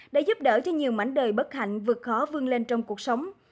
để giúp đỡ cho nhiều mảnh đời bất hạnh vượt khó vương lên trong cuộc sống